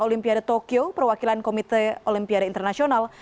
olimpiade tokyo perwakilan komite olimpiade internasional